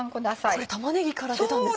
これ玉ねぎから出たんですか？